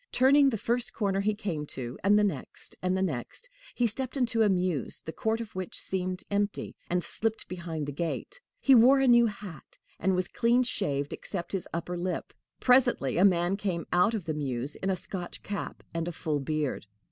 Turning the first corner he came to, and the next and the next, he stepped into a mews, the court of which seemed empty, and slipped behind the gate. He wore a new hat, and was clean shaved except his upper lip. Presently a man came out of the mews in a Scotch cap and a full beard.